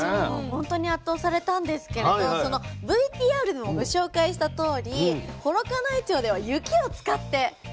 本当に圧倒されたんですけれどＶＴＲでもご紹介したとおり幌加内町では雪を使ってそばを保存してるんですよ。